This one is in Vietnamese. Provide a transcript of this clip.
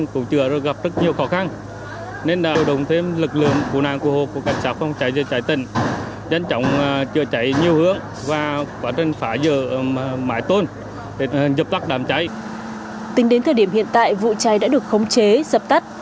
vụ cháy đã được khống chế dập tắt